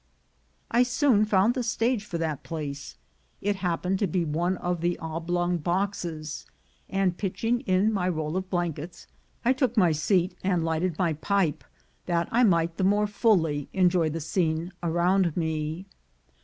I soon found the stage for that place — it OFF FOR THE MINES 107 happened to be one of the oblong boxes — and, pitch ing in my roll of blankets, I took my seat and lighted my pipe that I might the more fully enjoy the scene around me.